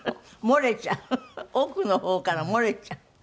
漏れちゃう奥の方から漏れちゃう。